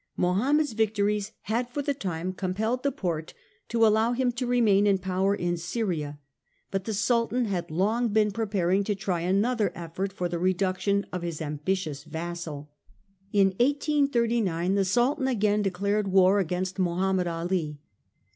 Mohammed's victories had for the tim e compelled the Porte to allow him to remain in power in Syria ; but the Sultan had long been preparing to try another effort for the reduction of his ambitious vassal. In 1839 the Sultan again de clared war against Mohammed Ali.